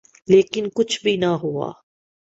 لیکن کچھ بھی نہیں۔